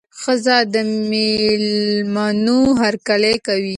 ښځه د مېلمنو هرکلی کوي.